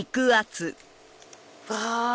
うわ！